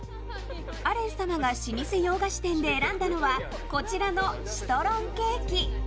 アレン様が老舗洋菓子店で選んだのはこちらのシトロンケーキ。